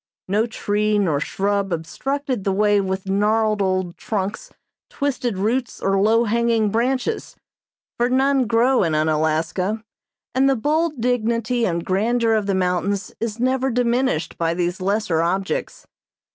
No tree nor shrub obstructed the way with gnarled old trunks, twisted roots, or low hanging branches, for none grow in Unalaska, and the bold dignity and grandeur of the mountains is never diminished by these lesser objects.